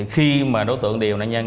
khi mà đối tượng điều nạn nhân